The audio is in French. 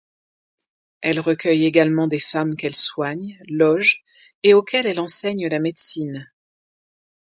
Elle recueille également des femmes qu’elle soigne, loge et auxquelles elle enseigne la médecine.